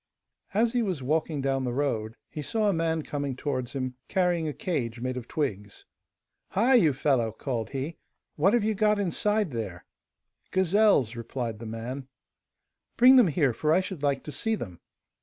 As he was walking down the road, he saw a man coming towards him, carrying a cage made of twigs. 'Hi! you fellow!' called he, 'what have you got inside there?' 'Gazelles,' replied the man. 'Bring them here, for I should like to see them.